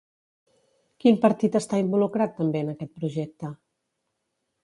Quin partit està involucrat també en aquest projecte?